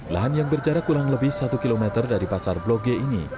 lahan yang berjarak kurang lebih satu km dari pasar bloge ini